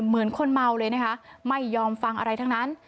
เหมือนคนเมาเลยนะคะไม่ยอมฟังอะไรทั้งนั้น